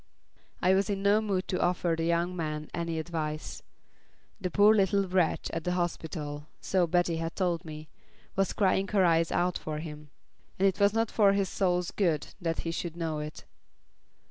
I was in no mood to offer the young man any advice. The poor little wretch at the hospital so Betty had told me was crying her eyes out for him; but it was not for his soul's good that he should know it.